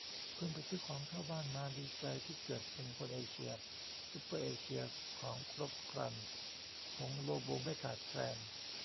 เพิ่งไปซื้อของเข้าบ้านมา ดีใจที่เกิดเป็นคนเอเชีย ซูเปอร์เอเชียของครบครัน ผงโลโบไม่ขาดแคลน